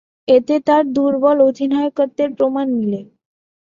এতে তার দূর্বল অধিনায়কত্বের প্রমাণ মিলে।